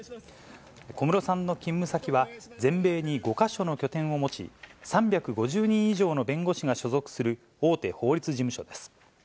小室さんの勤務先は、全米に５か所の拠点を持ち、３５０人以上の弁護士が所属する大手法律事務所です。